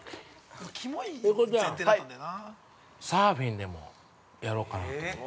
◆英孝ちゃん、サーフィンでもやろうかなと思って。